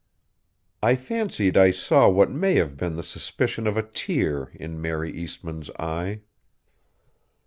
I fancied I saw what may have been the suspicion of a tear in Mary Eastmann's eye.